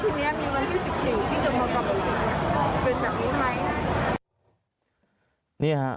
เป็นดังนี้ไหม